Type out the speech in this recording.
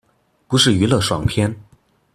不是娛樂爽片